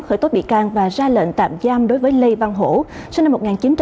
khởi tố bị can và ra lệnh tạm giam đối với lê văn hổ sinh năm một nghìn chín trăm tám mươi